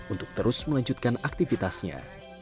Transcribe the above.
untuk terus melanjutkan aktivitasnya